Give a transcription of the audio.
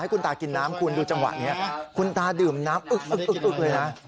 คุณตากินน้ำคุณดูจังหวะนี้คุณตาดื่มน้ำอึ๊กเลยนะ